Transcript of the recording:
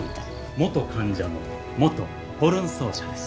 元患者の元ホルン奏者です。